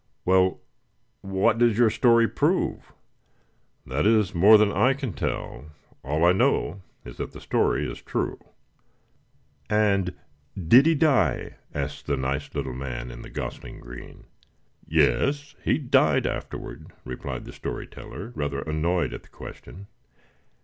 "Well, what does your story prove?" "That is more than I can tell. All I know is that the story is true." "And did he die?" said the nice little man in gosling green. "Yes; he died afterward," replied the story teller, rather annoyed at the question.